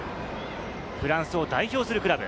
フランスを代表するクラブ。